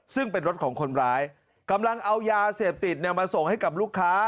ซึ่งเป็นรถของคนร้ายกำลังเอายาเสพติดมาส่งให้กับลูกค้า